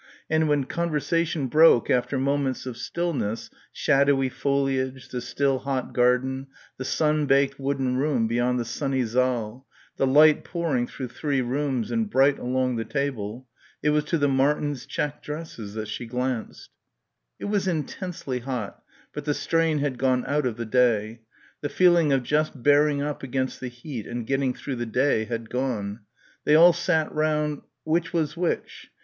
and when conversation broke after moments of stillness ... shadowy foliage ... the still hot garden ... the sunbaked wooden room beyond the sunny saal, the light pouring through three rooms and bright along the table ... it was to the Martins' check dresses that she glanced. It was intensely hot, but the strain had gone out of the day; the feeling of just bearing up against the heat and getting through the day had gone; they all sat round ... which was which?...